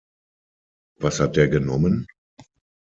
Was hat der genommen?